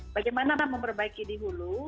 bagaimana memperbaiki dihulu